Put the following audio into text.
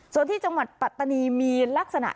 ส่วนที่จังหวัดปัตตานีมีลักษณะ